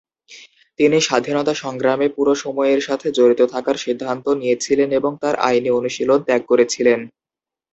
তিনি স্বাধীনতা সংগ্রামে পুরো সময়ের সাথে জড়িত থাকার সিদ্ধান্ত নিয়েছিলেন এবং তার আইনি অনুশীলন ত্যাগ করেছিলেন।